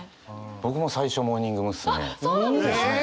僕も最初モーニング娘。ですね。